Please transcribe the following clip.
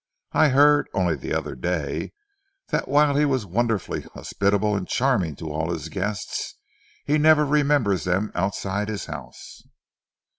I heard, only the other day, that while he was wonderfully hospitable and charming to all his guests, he never remembered them outside his house."